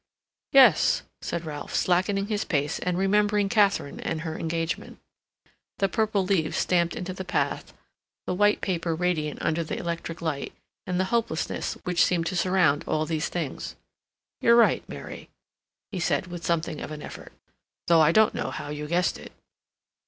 "Yes," said Ralph, slackening his pace and remembering Katharine and her engagement, the purple leaves stamped into the path, the white paper radiant under the electric light, and the hopelessness which seemed to surround all these things. "You're right, Mary," he said, with something of an effort, "though I don't know how you guessed it."